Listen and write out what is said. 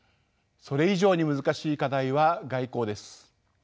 それ以上に難しい課題は外交です。